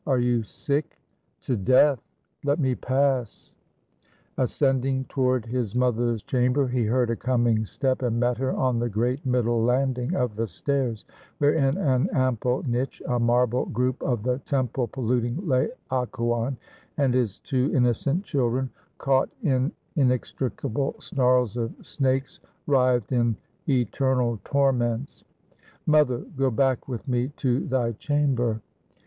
are you sick?" "To death! Let me pass." Ascending toward his mother's chamber, he heard a coming step, and met her on the great middle landing of the stairs, where in an ample niche, a marble group of the temple polluting Laocoon and his two innocent children, caught in inextricable snarls of snakes, writhed in eternal torments. "Mother, go back with me to thy chamber."